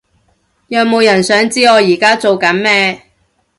有冇人想知我而家做緊咩？